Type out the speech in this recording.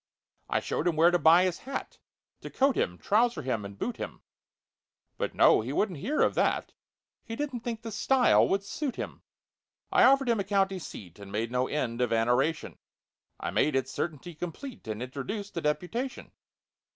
I showed him where to buy his hat To coat him, trouser him, and boot him; But no—he wouldn't hear of that— "He didn't think the style would suit him!" I offered him a county seat, And made no end of an oration; I made it certainty complete, And introduced the deputation.